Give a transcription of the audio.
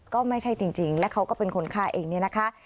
ก็ไม่ใช่จริงแล้วเขาก็เป็นคนฆ่าเองเนี่ยนะคะ